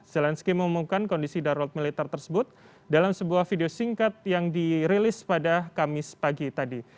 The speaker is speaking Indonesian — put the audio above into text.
zelensky mengumumkan kondisi darurat militer tersebut dalam sebuah video singkat yang dirilis pada kamis pagi tadi